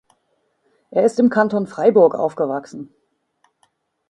Er ist im Kanton Freiburg aufgewachsen.